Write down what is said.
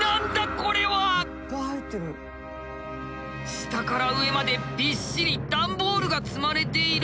下から上までびっしり段ボールが積まれている。